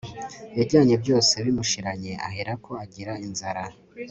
yajyanye byose bimushiranye, aherako agira inzara